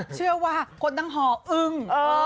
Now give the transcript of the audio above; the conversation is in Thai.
เชื่อว่าคนดังหอยึง